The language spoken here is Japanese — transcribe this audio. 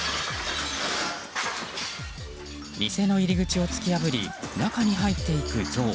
店の入り口を突き破り中に入っていくゾウ。